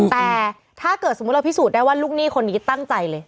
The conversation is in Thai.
แต่ถ้าเกิดสมมุติเราพิสูจน์ได้ว่าลูกหนี้คนนี้ตั้งใจเลย